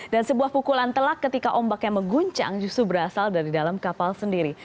dan sebuah pukulan telak ketika ombaknya mengguncang justru berasal dari dalam kapal sendiri